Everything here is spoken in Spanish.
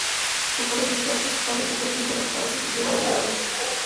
Culpable de sus actos, pasa poco tiempo en la cárcel y luego es liberado.